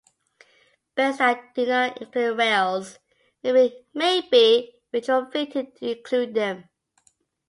Beds that do not include rails may be retrofitted to include them.